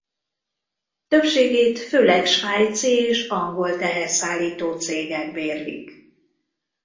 Többségét főleg svájci és angol teherszállító cégek bérlik.